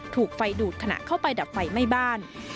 ถูกไฟดูดขณะเข้าไปดับไฟไหม้บ้าน